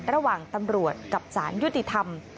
ระหว่างตำรวจกับสารยุติธรรม